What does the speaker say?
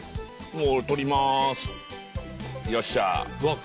もう取りまーすよっしゃわっ